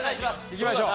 いきましょう。